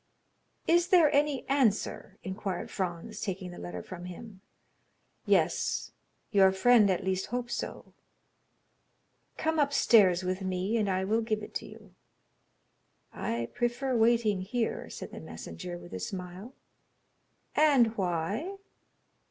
"Is there any answer?" inquired Franz, taking the letter from him. "Yes—your friend at least hopes so." "Come upstairs with me, and I will give it to you." "I prefer waiting here," said the messenger, with a smile. "And why?"